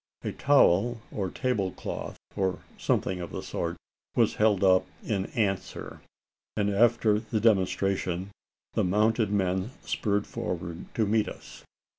A towel or table cloth, or something of the sort, was held up in answer; and after the demonstration the mounted men spurred forward to meet us.